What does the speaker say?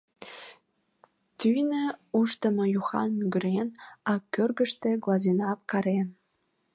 Тӱнӧ Ушдымо-Юхан мӱгырен, а кӧргыштӧ Глазенапп карен!»